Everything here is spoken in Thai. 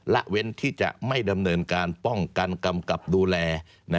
เว้นที่จะไม่ดำเนินการป้องกันกำกับดูแล